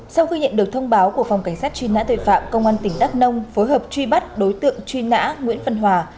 sau khi nhận được thông báo của phòng cảnh sát truy nã tội phạm công an tỉnh đắk nông phối hợp truy bắt đối tượng truy nã nguyễn văn hòa